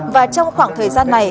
và trong khoảng thời gian này